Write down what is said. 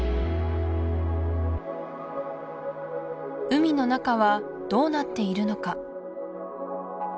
海の中はどうなっているのか？